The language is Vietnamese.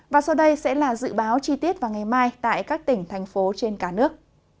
và sau đây sẽ là dự báo chi tiết vào ngày mai tại các tỉnh thành phố trên cả nước